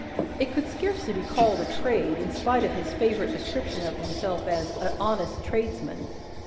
It could scarcely be called a trade, in spite of his favourite description of himself as "a honest tradesman."